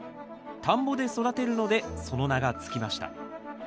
田んぼで育てるのでその名が付きました。